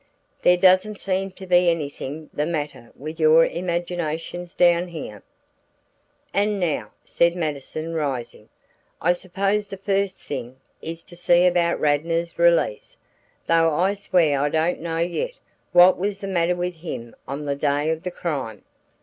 There doesn't seem to be anything the matter with your imaginations down here." "And now," said Mattison, rising, "I suppose the first thing, is to see about Radnor's release, though I swear I don't know yet what was the matter with him on the day of the crime."